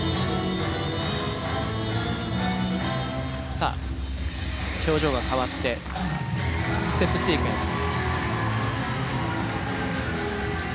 さあ表情が変わってステップシークエンス。